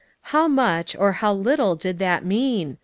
How much, or how little did that mean?